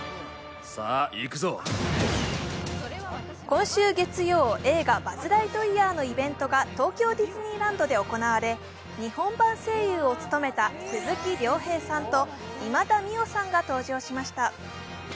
今週月曜、映画「バズ・ライトイヤー」のイベントが東京ディズニーランドで行われ日本版声優を務めた鈴木亮平さんと今田美桜さんが登場しました。